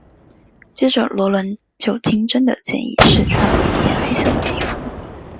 接着萝伦就听珍的建议试穿了一件黑色礼服。